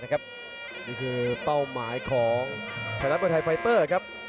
นี่คือเป้าหมายของสถานกับมวยไทยไฟเตอร์